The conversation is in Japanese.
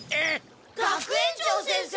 学園長先生！